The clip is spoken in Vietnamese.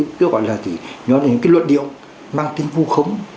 và theo tôi đấy là những luận điệu mang tính vu khống